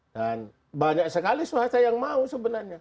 dan banyak sekali swasta yang mau sebenarnya